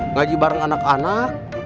ngaji bareng anak anak